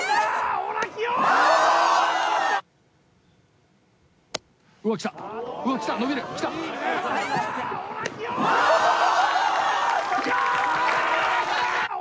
オラキオ！